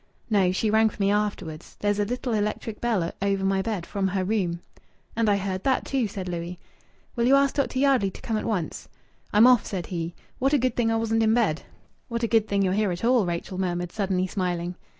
"No, she rang for me afterwards. There's a little electric bell over my bed, from her room." "And I heard that too," said Louis. "Will you ask Dr. Yardley to come at once?" "I'm off," said he. "What a good thing I wasn't in bed!" "What a good thing you're here at all!" Rachel murmured, suddenly smiling.